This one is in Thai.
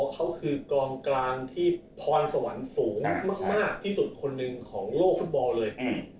เขาคือกองกลางที่พรสวรรค์สูงมากที่สุดคนหนึ่งของโลกฟุตบอลเลย